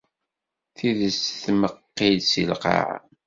Tidet tmeqqi-d si lqaɛa.